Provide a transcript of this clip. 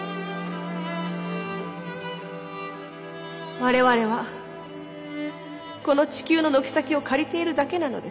我々はこの地球の軒先を借りているだけなのです。